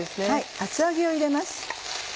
厚揚げを入れます。